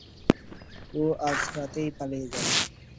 ও আজ রাতেই পালিয়ে যাবে।